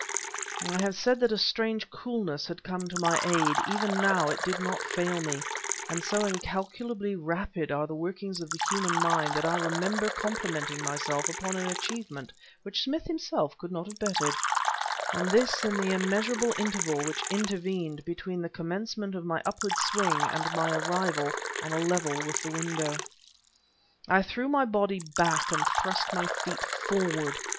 I have said that a strange coolness had come to my aid; even now it did not fail me, and so incalculably rapid are the workings of the human mind that I remember complimenting myself upon an achievement which Smith himself could not have bettered, and this in the immeasurable interval which intervened between the commencement of my upward swing and my arrival on a level with the window. I threw my body back and thrust my feet forward.